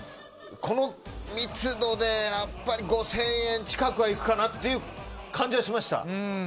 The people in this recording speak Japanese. この密度で、５０００円近くはいくかなっていう感じがしました。